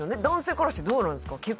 男性からしてどうなんですか？